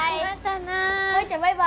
舞ちゃんバイバイ。